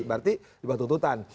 berarti dibuat tuntutan